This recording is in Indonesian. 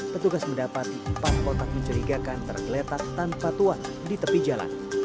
petugas mendapati empat kotak mencurigakan tergeletak tanpa tuan di tepi jalan